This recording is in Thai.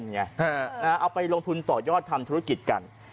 เอาไปลงทุนต่อยอดทำธุรกิจกัน